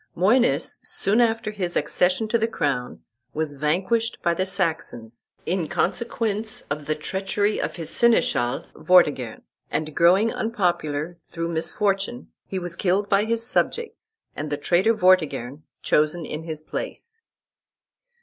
Moines, soon after his accession to the crown, was vanquished by the Saxons, in consequence of the treachery of his seneschal, Vortigern, and growing unpopular, through misfortune, he was killed by his subjects, and the traitor Vortigern chosen in his place.